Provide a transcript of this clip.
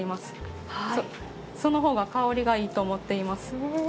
その方が香りがいいと思っています。